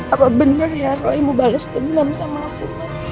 apa bener ya roy mau bales dendam sama aku